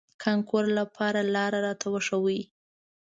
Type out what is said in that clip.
کانکور لپاره لار راته وښوئ.